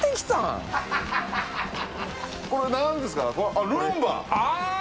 これ何ですか？